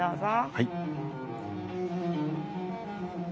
はい。